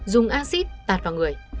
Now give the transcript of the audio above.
dùng axit tạt vào người